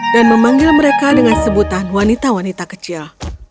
dan memanggil mereka dengan sebutan wanita wanita kecil